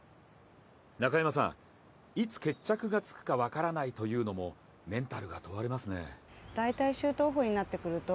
いつ決着がつくか分からないというのもメンタルが問われますね。